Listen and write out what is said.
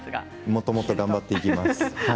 もっともっと頑張っていきます。